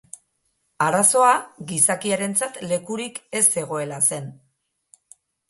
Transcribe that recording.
Arazoa, gizakiarentzat lekurik ez zegoela zen.